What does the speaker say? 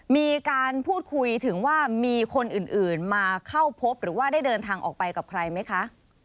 มีการพูดคุยถึงว่ามีคนอื่นมาเข้าพบหรือว่าได้เดินทางออกไปกับใครไหมคะ